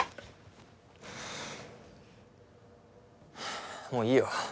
あもういいよ。